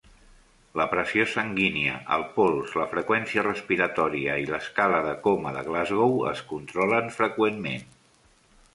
La pressió sanguínia, el pols, la freqüència respiratòria i l'Escala de Coma de Glasgow es controlen freqüentment.